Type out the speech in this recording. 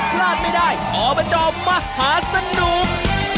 พลาดไม่ได้อบจมหาสนุก